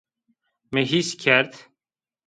Mi hîs kerd